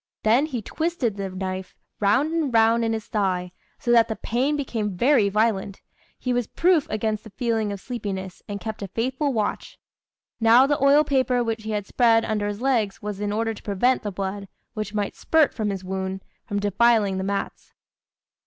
Then he twisted the knife round and round in his thigh, so that the pain becoming very violent, he was proof against the feeling of sleepiness, and kept a faithful watch. Now the oil paper which he had spread under his legs was in order to prevent the blood, which might spurt from his wound, from defiling the mats.